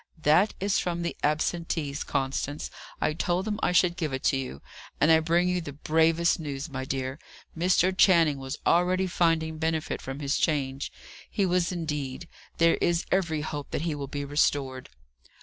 "That is from the absentees, Constance. I told them I should give it to you. And I bring you the bravest news, my dear. Mr. Channing was already finding benefit from his change; he was indeed. There is every hope that he will be restored."